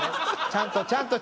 ちゃんと。